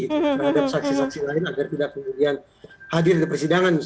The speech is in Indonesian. terhadap saksi saksi lain agar tidak kemudian hadir ke persidangan